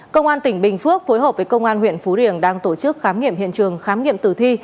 công an tỉnh bình phước phối hợp với công an huyện phú riềng đang tổ chức khám nghiệm hiện trường khám nghiệm tử thi